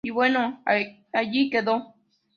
Y bueno, ahí quedó.